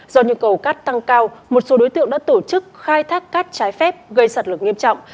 do nhu cầu cát tăng cao một số đối tượng đã tổ chức khai thác cát trái phép gây sạt lửa nghiêm trọng